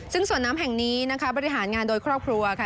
ซึ่งสวนน้ำแห่งนี้นะคะบริหารงานโดยครอบครัวค่ะ